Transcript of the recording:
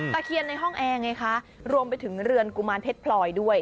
เคียนในห้องแอร์ไงคะรวมไปถึงเรือนกุมารเพชรพลอยด้วย